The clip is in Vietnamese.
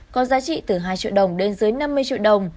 có giá trị từ hai triệu đồng đến dưới năm mươi triệu đồng